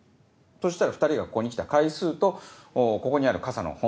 そしたら２人がここに来た回数とここにある傘の本数